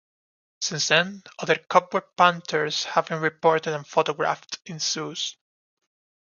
Since then, other "cobweb panthers" have been reported and photographed in zoos.